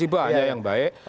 banyak yang baik